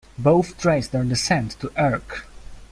Both trace their descent to Ercc.